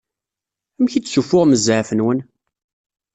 Amek i d-ssufuɣem zɛaf-nwen?